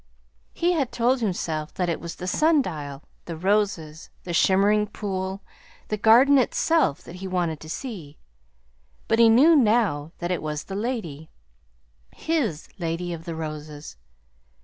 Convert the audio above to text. He had told himself that it was the sundial, the roses, the shimmering pool, the garden itself that he wanted to see; but he knew now that it was the lady his Lady of the Roses.